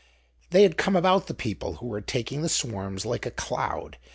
They had come about the people who were taking the swarms like a cloud.